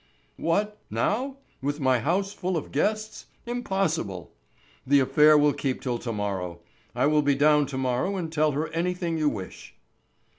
"What, now, with my house full of guests? Impossible. The affair will keep till to morrow. I will be down to morrow and tell her anything you wish."